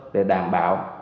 để đảm bảo